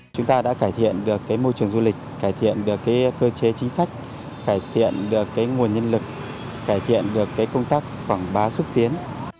chúng ta đã cải thiện được cái môi trường du lịch cải thiện được cái cơ chế chính sách cải thiện được cái nguồn nhân lực cải thiện được cái công tác khoảng ba xuất tiến